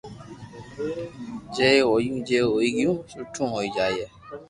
جي ھويو جي ھوئي گيو سٺو ھوئي جائي